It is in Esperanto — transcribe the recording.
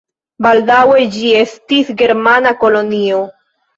Baldaŭe ĝi estis germana kolonio.